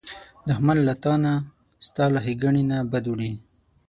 دښمن له تا نه، ستا له ښېګڼې نه بد وړي